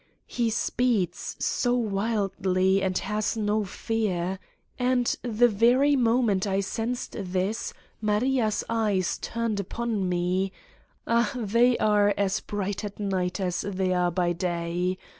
He speeds so wildly and has no fear! And the very moment I sensed this, Maria's eyes turned upon me. ... Ah, they are as bright at night as they are by day!